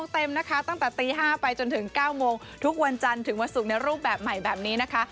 เต็มนะคะตั้งแต่ตี๕ไปจนถึง๙โมงทุกวันจันทร์ถึงวันศุกร์ในรูปแบบใหม่แบบนี้นะคะ